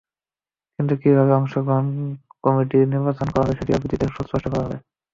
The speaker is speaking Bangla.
কিন্তু কীভাবে অংশগ্রহণ কমিটি নির্বাচন করা হবে, সেটিও বিধিতে সুস্পষ্ট করা হবে।